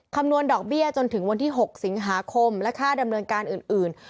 คำนวณดอกเบี้ยจนถึงวันที่๖สิงหาคมและค่าดำเนินการอื่น